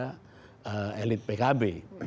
kepada elit pkb